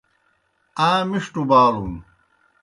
آ مِݜٹوْ بالُن۔